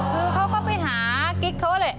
คือเขาก็ไปหากิ๊กเขาแหละ